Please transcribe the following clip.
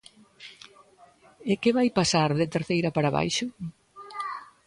E que vai pasar de Terceira para baixo?